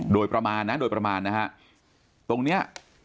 โดยประมาณนะโดยประมาณนะฮะตรงเนี้ย